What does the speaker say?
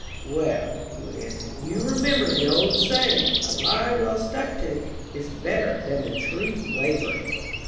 '" "'Well,' he would answer, 'you remember the old saying, A lie well stuck to, is better than the truth wavering.'"